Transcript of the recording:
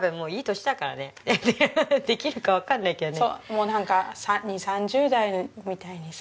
もうなんか２０３０代みたいにさ。